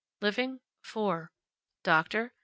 Living? Four. Doctor?